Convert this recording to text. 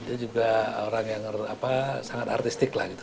dia juga orang yang sangat artistik lah gitu